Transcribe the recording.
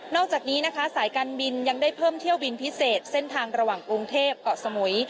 อกจากนี้นะคะสายการบินยังได้เพิ่มเที่ยวบินพิเศษเส้นทางระหว่างกรุงเทพเกาะสมุย